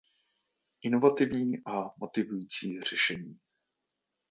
Inovativní a motivující řešení.